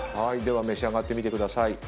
では召し上がってみてください。